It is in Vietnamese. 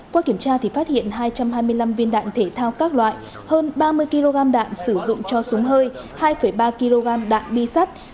qua kiểm tra thì phát hiện hai trăm hai mươi năm viên đạn thể thao các loại hơn ba mươi kg đạn sử dụng cho súng hơi hai ba kg đạn bi sắt